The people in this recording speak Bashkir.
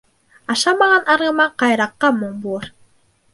Ашамаған арғымаҡ ҡайыраҡҡа моң булыр.